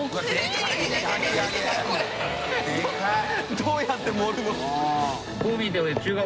どうやって盛るの？